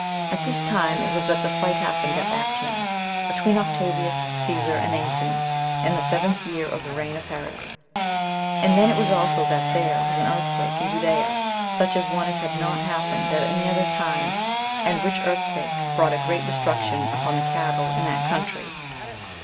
2. At this time it was that the fight happened at Actium, between Octavius Cæsar and Antony, in the seventh year of the reign of Herod 8 and then it was also that there was an earthquake in Judea, such a one as had not happened at any other time, and which earthquake brought a great destruction upon the cattle in that country.